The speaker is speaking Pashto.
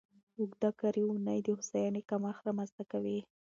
اوږده کاري اونۍ د هوساینې کمښت رامنځته کوي.